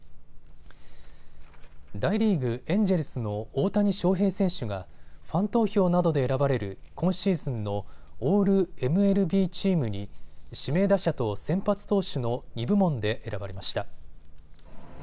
大リーグ、エンジェルスの大谷翔平選手がファン投票などで選ばれる今シーズンのオールＭＬＢチームに指名打者と先発投手の２部門で選ばれました。